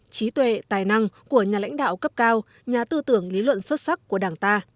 trí tuệ tài năng của nhà lãnh đạo cấp cao nhà tư tưởng lý luận xuất sắc của đảng ta